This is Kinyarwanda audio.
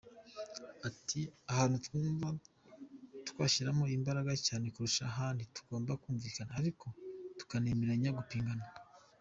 Ati “Ahantu twumva twashyiramo imbaraga cyane kurusha ahandi, tugomba kumvikana ariko tukanemeranya gupigana.